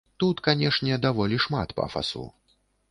Тут, канешне, даволі шмат пафасу.